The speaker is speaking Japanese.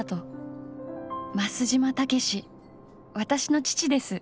増島健私の父です。